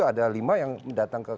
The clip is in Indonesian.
ada lima yang datang ke